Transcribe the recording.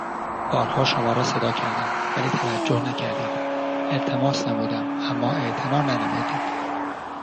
بارها شما را صدا کردم ولی توجه نكرديد التماس نمودم اما اعتنا ننموديد